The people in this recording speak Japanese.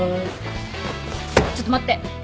ちょっと待って。